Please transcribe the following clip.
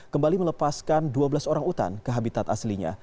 kembali melepaskan dua belas orang utan ke habitat aslinya